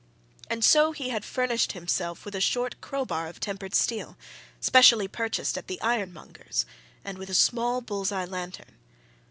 And so he had furnished himself with a short crowbar of tempered steel, specially purchased at the iron monger's, and with a small bull's eye lantern.